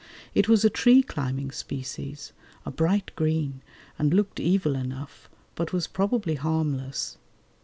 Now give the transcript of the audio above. It was a tree climbing species, a bright green, and looked evil enough, but was probably harmless.